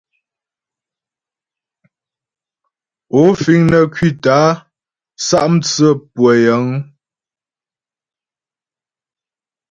Ó fíŋ nə́ ŋkwítə́ a sá' mtsə́ pʉə́ yəŋ ?